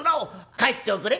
帰っておくれ」。